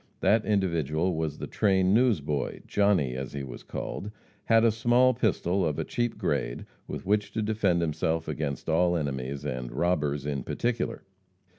That individual was the train newsboy. Johnny, as he was called, had a small pistol, of a cheap grade, with which to defend himself against all enemies, and robbers in particular.